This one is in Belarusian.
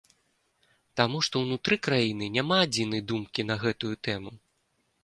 Таму што ўнутры краіны няма адзінай думкі на гэтую тэму.